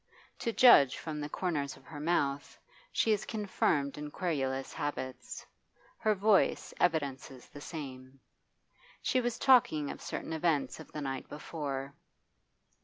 To judge from the corners of her mouth, she is confirmed in querulous habits; her voice evidences the same. She was talking of certain events of the night before.